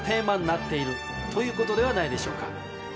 なっているということではないでしょうか。